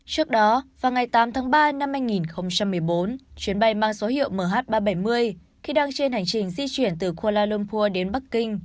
trước đó vào ngày tám tháng ba năm hai nghìn một mươi bốn chuyến bay mang số hiệu mh ba trăm bảy mươi khi đang trên hành trình di chuyển từ kuala lumpur đến bắc kinh